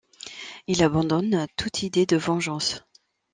Il abandonne toute idée de vengeance.